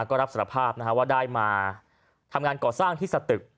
ก็รับสารภาพว่าได้มาทำงานก่อสร้างที่สตึก